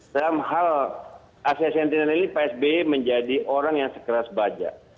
dalam hal asia sentinel ini pak sby menjadi orang yang sekeras baja